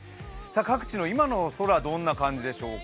各地の今の空、どんな感じでしょうか。